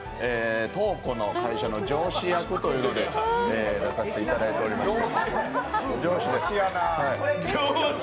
瞳子の会社の最初の上司役というので出させていただいていました。